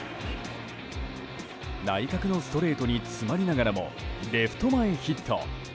内角のストレートに詰まりながらもレフト前ヒット。